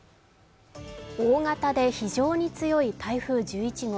大型で非常に強い台風１１号。